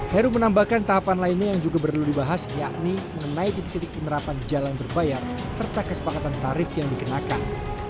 heru menambahkan tahapan lainnya yang juga perlu dibahas yakni mengenai titik titik penerapan jalan berbayar serta kesepakatan tarif yang dikenakan